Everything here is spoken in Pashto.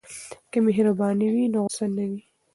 که مهرباني وي نو غوسه نه وي.